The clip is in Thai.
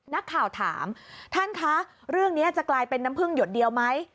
นักข่าวถามท่านคะเรื่องนี้จะกลายเป็นน้ำพึ่งหยดเดียวไหม